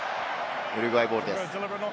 ウルグアイボールです。